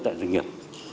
tại doanh nghiệp